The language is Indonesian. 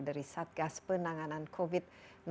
dari satgas penanganan covid sembilan belas